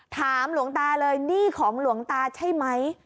ถามหลวงตาเลยนี่ของหลวงตาใช่มั้ย